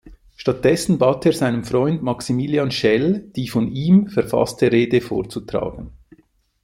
Stattdessen bat er seinen Freund Maximilian Schell, die von ihm verfasste Rede vorzutragen.